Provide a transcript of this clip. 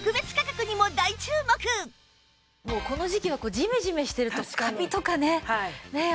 もうこの時期はジメジメしてるとカビとかねねえ